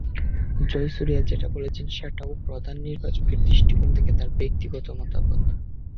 জয়াসুরিয়া যেটা বলেছেন, সেটাও প্রধান নির্বাচকের দৃষ্টিকোণ থেকে তাঁর ব্যক্তিগত মতামত।